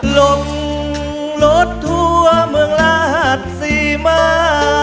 ลมรถทั่วเมืองราชสีมา